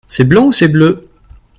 C’est blanc ou c’est bleu ?